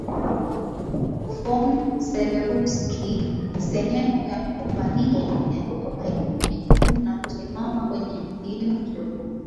von Zelewski Sehemu ya kombania ya nyuma ilirudi nyuma na kusimama kwenye kilima kidogo